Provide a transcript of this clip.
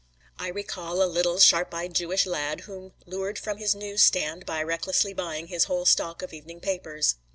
I recall a little, sharp eyed Jewish lad whom lured from his news stand by recklessly buying his whole stock of evening papers.